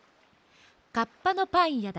カッパのパンやだ。